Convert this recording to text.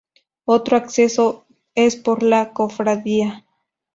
Otro acceso es por la Cofradía.